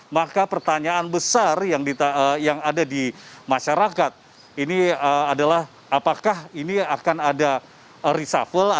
maka pertanyaan besar yang ada di masyarakat ini adalah apakah ini akan ada reshuffle